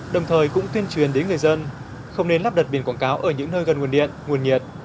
đồng thời cũng tuyên truyền đến người dân không nên lắp đặt biển quảng cáo ở những nơi gần nguồn điện nguồn nhiệt